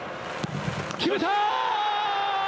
決めた！